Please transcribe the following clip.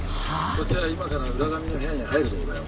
こっちは今から浦上の部屋に入るとこだよ。